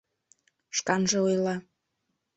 Шканже ойла: